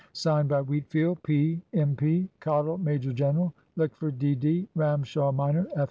(Signed by) Wheatfield, P., M.P. Cottle, Major General. Lickford, D.D. Ramshaw minor, F.